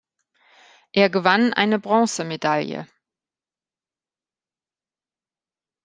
Er gewann eine Bronzemedaille.